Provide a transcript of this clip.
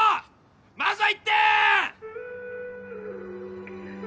まずは１点！